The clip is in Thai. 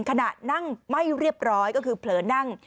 ขณะนั่งไม่เรียบร้อยก็คือเผลอนั่ง